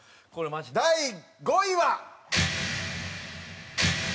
第５位は。